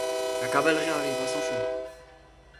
La cavalerie arriva sans chevaux.